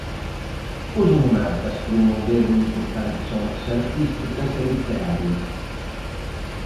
Os monarcas promoveron importantes obras artísticas e literarias.